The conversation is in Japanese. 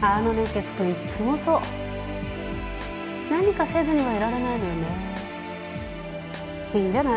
あの熱血君いつもそう何かせずにはいられないのよねいいんじゃない？